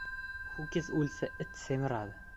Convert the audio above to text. • Ho‘kiz o‘lsa it semiradi.